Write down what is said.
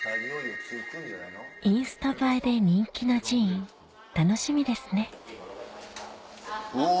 インスタ映えで人気な寺院楽しみですねうわ。